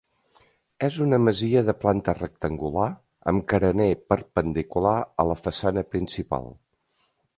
És una masia de planta rectangular, amb carener perpendicular a la façana principal.